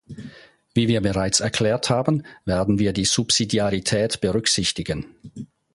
Wie wir bereits erklärt haben, werden wir die Subsidiarität berücksichtigen.